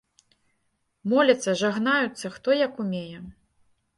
Моляцца, жагнаюцца, хто як умее.